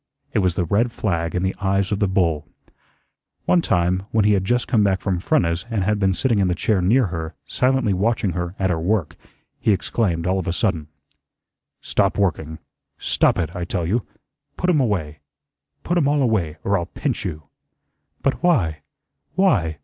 It was the red flag in the eyes of the bull. One time when he had just come back from Frenna's and had been sitting in the chair near her, silently watching her at her work, he exclaimed all of a sudden: "Stop working. Stop it, I tell you. Put 'em away. Put 'em all away, or I'll pinch you." "But why why?"